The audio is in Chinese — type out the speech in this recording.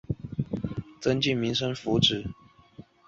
可在中横公路白沙桥附近远观白沙瀑布。